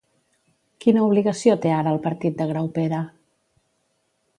Quina obligació té ara el partit de Graupera?